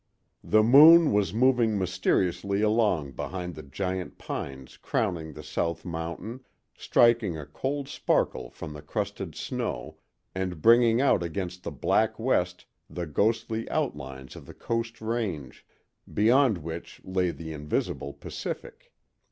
The moon was moving mysteriously along behind the giant pines crowning the South Mountain, striking a cold sparkle from the crusted snow, and bringing out against the black west the ghostly outlines of the Coast Range, beyond which lay the invisible Pacific.